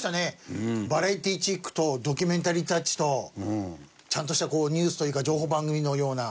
バラエティーチックとドキュメンタリータッチとちゃんとしたニュースというか情報番組のような。